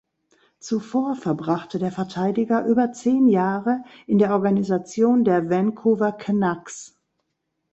Zuvor verbrachte der Verteidiger über zehn Jahre in der Organisation der Vancouver Canucks.